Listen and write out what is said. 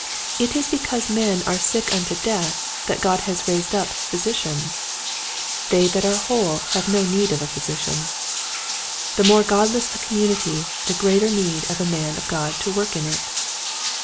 It is because men are sick unto death that God has raised up physicians. They that are whole have no need of a physician. The more godless a community the greater need of a man of God to work in it.